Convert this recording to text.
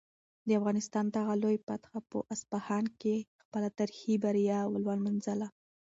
د افغانستان دغه لوی فاتح په اصفهان کې خپله تاریخي بریا ولمانځله.